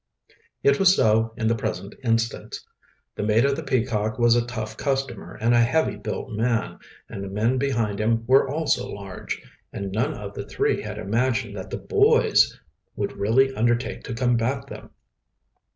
It was so in the present instance. The mate of the Peacock was a tough customer and a heavy built man, and the men behind him were also large, and none of the three had imagined that the boys would really undertake to combat them.